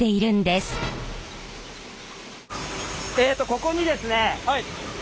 えっとここにですね